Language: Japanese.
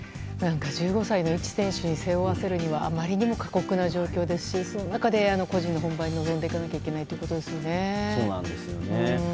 何か１５歳の一選手に背負わせるにはあまりにも過酷な状況ですしその中で個人の本番に臨んでいかなきゃいけないということですよね。